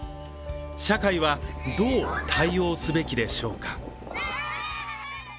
社会はどう対応すべきでしょうか。